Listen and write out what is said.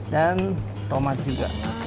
dan tomat juga